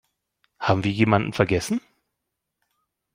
Haben wir jemanden vergessen?